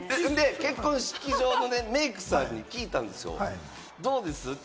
結婚式場のメイクさんに聞いたんですよ、どうです？って。